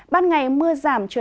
bắt ngày mưa giảm trời